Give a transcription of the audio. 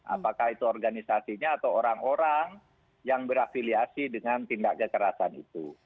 apakah itu organisasinya atau orang orang yang berafiliasi dengan tindak kekerasan itu